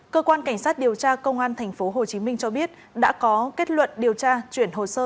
cơ quan cảnh sát điều tra công an tp hcm cho biết đã có kết luận điều tra chuyển hồ sơ